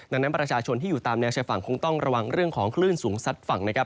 ดังนั้นประชาชนที่อยู่ตามแนวชายฝั่งคงต้องระวังเรื่องของคลื่นสูงซัดฝั่งนะครับ